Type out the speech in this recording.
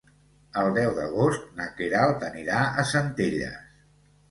El deu d'agost na Queralt anirà a Centelles.